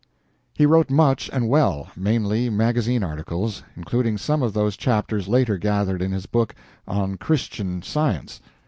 He wrote much and well, mainly magazine articles, including some of those chapters later gathered it his book on "Christian Science."